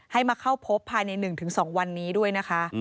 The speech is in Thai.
ให้มาเข้าพบภายใน๑๒วันนี้ด้วยนะคะ